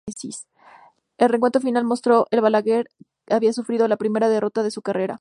El recuento final mostró que Balaguer había sufrido la primera derrota de su carrera.